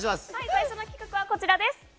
最初の企画はこちらです。